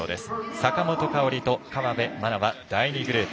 坂本花織と河辺愛菜は第２グループ。